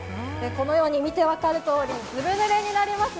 このように見て分かるとおりずぶぬれになります。